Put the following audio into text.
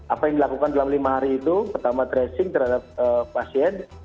apa yang dilakukan dalam lima hari itu pertama tracing terhadap pasien